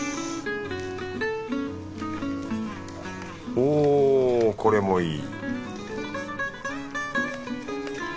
おこれもいい